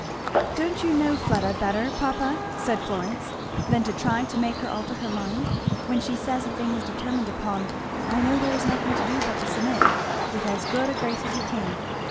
"Don't you know Fleda better, papa," said Florence, "than to try to make her alter her mind? When she says a thing is determined upon, I know there is nothing to do but to submit, with as good a grace as you can."